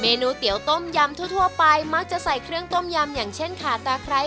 นูเตี๋ยวต้มยำทั่วไปมักจะใส่เครื่องต้มยำอย่างเช่นขาตาไคร้